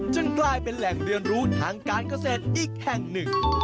กลายเป็นแหล่งเรียนรู้ทางการเกษตรอีกแห่งหนึ่ง